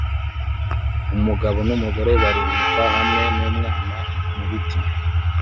Umugabo numugore baruhuka hamwe numwana mubiti